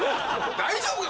大丈夫か？